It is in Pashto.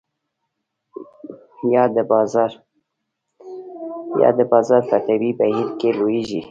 یا د بازار په طبیعي بهیر کې لویږي.